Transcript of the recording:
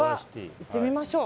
行ってみましょう。